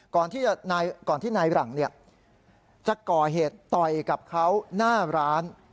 ก่อนที่นายหลังจะก่อเหตุต่อยกับเขาหน้าร้าน